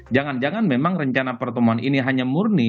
jangan jangan memang rencana pertemuan ini hanya murni